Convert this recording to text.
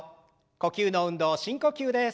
呼吸の運動深呼吸です。